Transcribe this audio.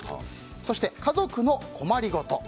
そして、かぞくの困りごと。